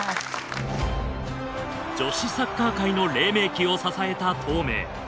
女子サッカー界の黎明期を支えた東明。